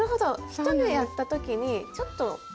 １目やった時にちょっとずらす。